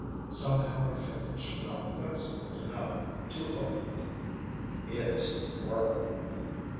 Somehow her fingers were not flexible enough to open it. His were.